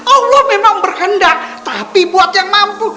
allah memang berkendak tapi buat yang mampu